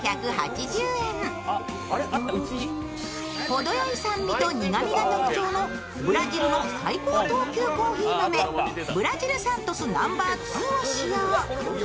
程よい酸味と苦みが特徴のブラジルの最高等級コーヒー豆ブラジルサントスＮｏ．２を使用。